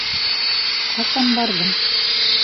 Ҡасан барҙың?